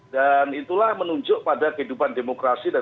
dan itulah menunjuk pada kehidupan demokrasi dan keindahan